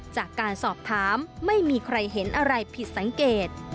จากการสอบถามไม่มีใครเห็นอะไรผิดสังเกต